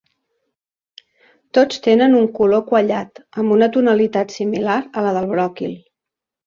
Tots tenen un color quallat amb una tonalitat similar a la del bròquil.